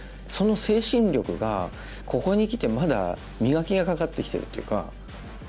その精神力がここにきてまだ磨きがかかってきてるというか。